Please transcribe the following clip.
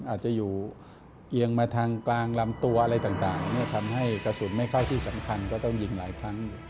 อาจจะอยู่เอียงมาทางกลางลำตัวอะไรต่างทำให้กระสุนไม่เข้าที่สำคัญก็ต้องยิงหลายครั้ง